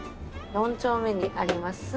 ４丁目にあります